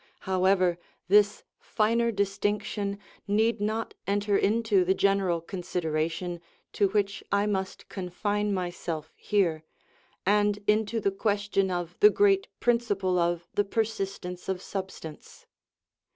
" How ever this finer distinction need not enter into the gen eral consideration, to which I must confine myself here, and into the question of the great principle of the " per sistence of substance."